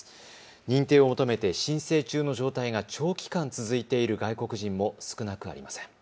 認定を求めて申請中の状態が長期間続いている外国人も少なくありません。